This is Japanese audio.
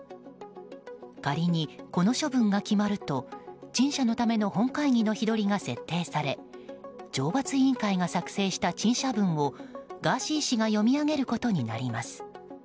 仮にこの処分が決まると陳謝のための本会議の日取りが設定され、懲罰委員会が作成した陳謝文をガーシー氏が読み上げることになります。